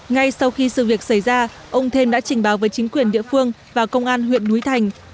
ngay sau khi sự việc xảy ra ông thêm đã trình báo với chính quyền địa phương và công an huyện núi thành